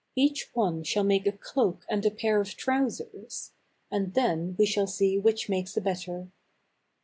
Each one shall make a cloak and a pair of trousers ; and then we shall see which makes the better."